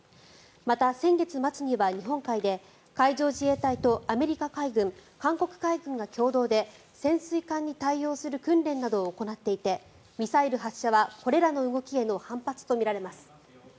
また、先月末には日本海で海上自衛隊とアメリカ海軍韓国海軍が共同で潜水艦に対応する訓練などを行っていてミサイル発射はこれらの動きへの反発とみられます。